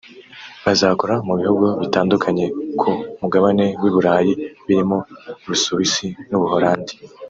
bazakora mu bihugu bitandukanye ku Mugabane w’i Burayi birimo u Busuwisi n’u Buholandi